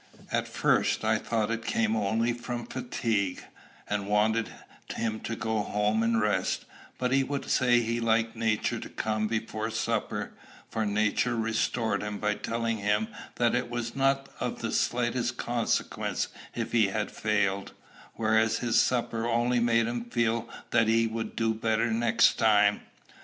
At first I thought it came only from fatigue, and wanted him to go home and rest; but he would say he liked Nature to come before supper, for Nature restored him by telling him that it was not of the slightest consequence if he had failed, whereas his supper only made him feel that he would do better next time.